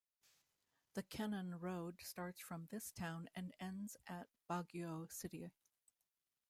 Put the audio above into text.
The Kennon Road starts from this town and ends at Baguio City.